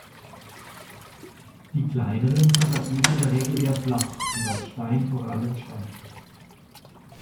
Die kleineren sind dagegen in der Regel eher flach und aus Steinkorallen entstanden.